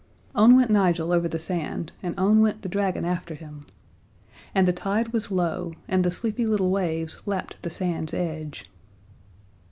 On went Nigel over the sand, and on went the dragon after him. And the tide was low, and sleepy little waves lapped the sand's edge.